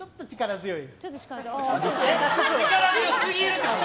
強すぎてってこと。